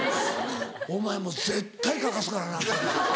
お前もう絶対書かすからな。